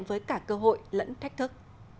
với cả cơ hội lẫn thách thức